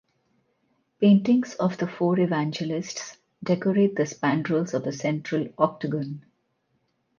Paintings of the four evangelists decorate the spandrels of the central octagon.